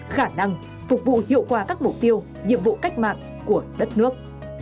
khả năng phục vụ hiệu quả các mục tiêu nhiệm vụ cách mạng của đất nước